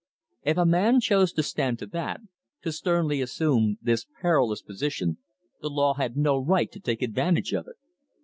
If a man chose to stand to that, to sternly assume this perilous position, the law had no right to take advantage of it.